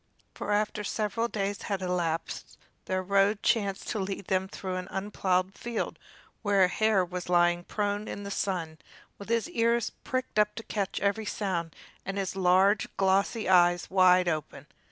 For after several days had elapsed their road chanced to lead them through an unplowed field where a hare was lying prone in the sun, with his ears pricked up to catch every sound, and his large, glossy eyes wide open.